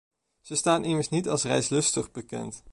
Ze staan immers niet als reislustig bekend.